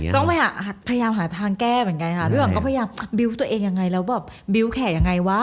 ต้องพยายามหาทางแก้เหมือนกันค่ะพี่หวังก็พยายามบิวต์ตัวเองยังไงแล้วแบบบิวต์แขกยังไงวะ